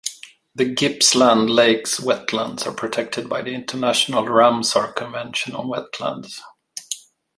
The Gippsland Lakes wetlands are protected by the international Ramsar Convention on wetlands.